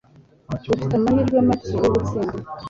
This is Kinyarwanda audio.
Dufite amahirwe make yo gutsinda.